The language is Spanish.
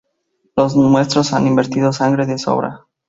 Los nuestros han vertido sangre de sobra.